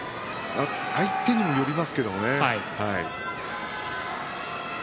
相手にもよりますけどね。